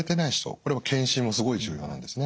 これは検診もすごい重要なんですね。